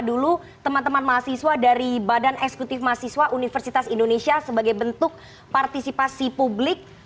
dulu teman teman mahasiswa dari badan eksekutif mahasiswa universitas indonesia sebagai bentuk partisipasi publik